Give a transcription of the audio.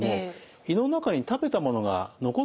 胃の中に食べたものが残ってるとですね